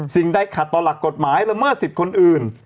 สิ่งใดขัดต่อหลักกฎหมายละเมิดสิทธิ์คนอื่น